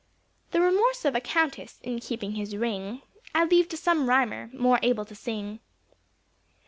The remorse of a Countess, in keeping his ring, I leave to some rhymer, more able to sing.